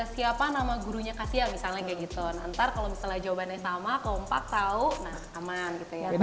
siapa nama gurunya kasihan misalnya kayak gitu nanti kalau misalnya jawabannya sama kalau empat tau nah aman gitu ya